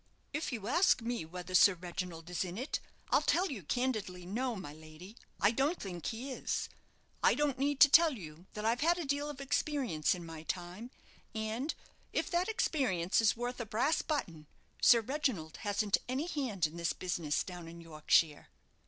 "If you ask me whether Sir Reginald is in it, I'll tell you candidly, no, my lady, I don't think he is. I don't need to tell you that I've had a deal of experience in my time; and, if that experience is worth a brass button, Sir Reginald hasn't any hand in this business down in Yorkshire."